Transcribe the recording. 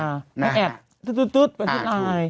มันแอดตื๊ดไปที่ไลน์